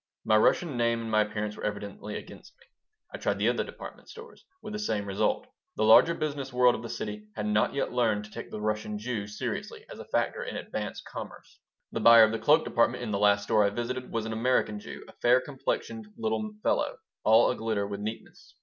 My Russian name and my appearance were evidently against me. I tried the other department stores with the same result. The larger business world of the city had not yet learned to take the Russian Jew seriously as a factor in advanced commerce. The buyer of the cloak department in the last store I visited was an American Jew, a fair complexioned little fellow, all aglitter with neatness.